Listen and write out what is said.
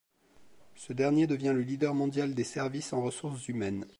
Ce dernier devient le leader mondial des services en ressources humaines.